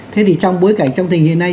thế thì trong bối cảnh trong tình hiện nay